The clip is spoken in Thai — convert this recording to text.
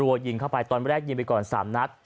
ยิงเข้าไปตอนแรกยิงไปก่อน๓นัด